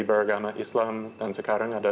beragama islam dan sekarang ada